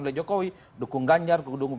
oleh jokowi dukung ganjar dukung